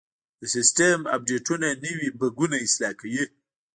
د سیسټم اپډیټونه نوي بګونه اصلاح کوي.